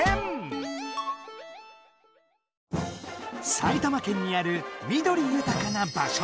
埼玉県にある緑ゆたかなばしょ。